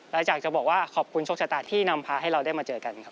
และอยากจะบอกว่าขอบคุณโชคชะตาที่นำพาให้เราได้มาเจอกันครับ